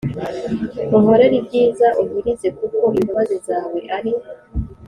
unkorere ibyiza Unkirize kuko imbabazi zawe ari